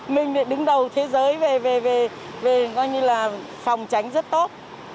mình đứng đầu thế giới về phòng tránh rất tốt